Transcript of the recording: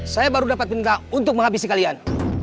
saya baru dapat minta untuk menghabisi kalian